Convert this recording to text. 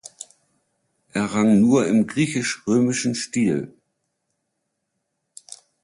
Er rang nur im griechisch-römischen Stil.